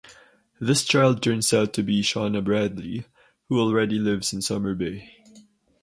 This child turns out to be Shauna Bradley, who already lives in Summer Bay.